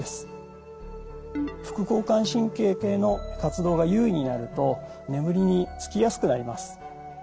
副交感神経系の活動が優位になると眠りにつきやすくなります。